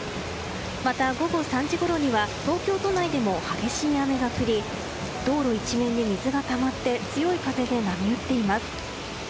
また、午後３時ごろには東京都内でも激しい雨が降り道路一面に水がたまって強い風で波打っています。